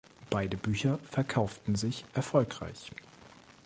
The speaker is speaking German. Beide Bücher verkauften sich erfolgreich.